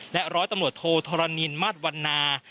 และร้อยตำรวจโทษธรณินมวันนา